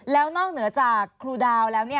แล้วนอกเหนือจากครูดาวแล้ว